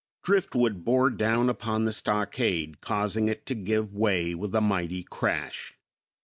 Driftwood bore down upon the stockade, causing it to give way with a mighty crash.